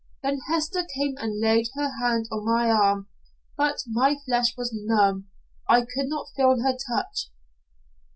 Then Hester came and laid her hand on my arm, but my flesh was numb. I could not feel her touch.